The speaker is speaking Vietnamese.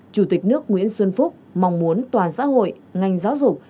chủ tịch nước nguyễn xuân phúc mong muốn toàn xã hội ngành giáo dục